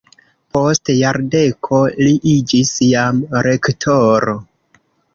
Post jardeko li iĝis jam rektoro.